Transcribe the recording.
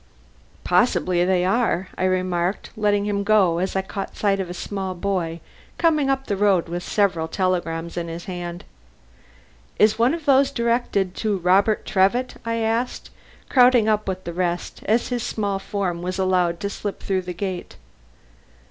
"Possibly they are," I remarked, letting him go as I caught sight of a small boy coming up the road with several telegrams in his hand. "Is one of those directed to Robert Trevitt?" I asked, crowding up with the rest, as his small form was allowed to slip through the gate.